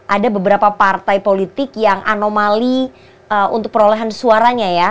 ada beberapa partai politik yang anomali untuk perolehan suaranya ya